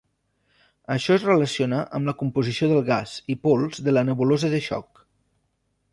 Això es relaciona amb la composició del gas i pols de la nebulosa de xoc.